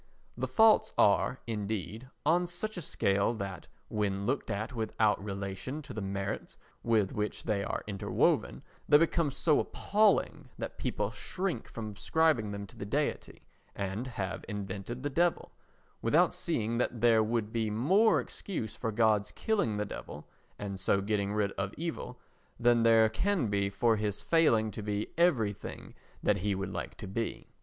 The faults are, indeed, on such a scale that, when looked at without relation to the merits with which they are interwoven, they become so appalling that people shrink from ascribing them to the Deity and have invented the Devil, without seeing that there would be more excuse for God's killing the Devil, and so getting rid of evil, than there can be for his failing to be everything that he would like to be.